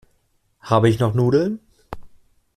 Habe ich noch Nudeln?